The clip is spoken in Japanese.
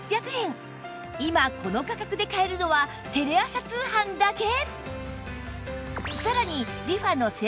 今この価格で買えるのはテレ朝通販だけ！